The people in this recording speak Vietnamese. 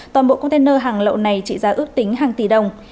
toàn bộ container hàng lậu này trị giá ước tính hàng tỷ đồng